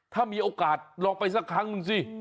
ถ้ามีโอกาสลองไปสักครั้งหนึ่งสิ